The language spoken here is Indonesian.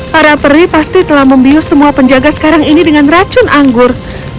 para peri pasti telah membius semua penjaga sekarang ini dengan racun anggur